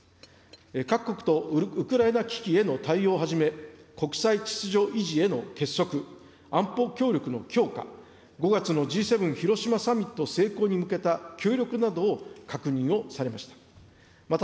各国とウクライナ危機への対応をはじめ、国際秩序維持への結束、安保協力の強化、５月のＧ７広島サミット成功に向けた協力などを確認をされました。